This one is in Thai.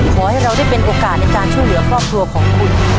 ขอให้เราได้เป็นโอกาสในการช่วยเหลือครอบครัวของคุณ